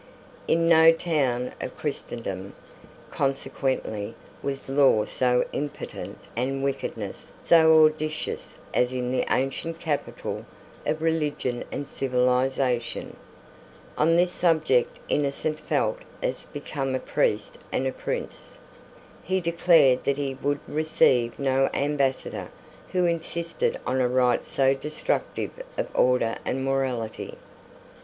In no town of Christendom, consequently, was law so impotent and wickedness so audacious as in the ancient capital of religion and civilisation. On this subject Innocent felt as became a priest and a prince. He declared that he would receive no Ambassador who insisted on a right so destructive of order and morality.